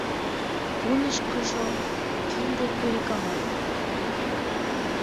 Пунышкышо кинде курикамат.